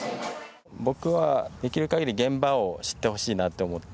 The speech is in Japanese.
僕はできる限り現場を知ってほしいなって思って。